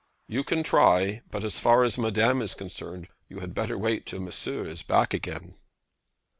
"You can try; but as far as Madame is concerned, you had better wait till Monsieur is back again."